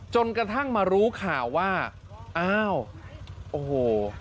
จนกระทั่งมารู้ข่าวว่าอ้าวโอ้โห